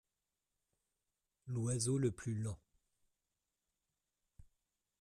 L’oiseau le plus lent.